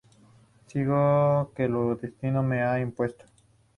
Sigo lo que el destino me ha impuesto.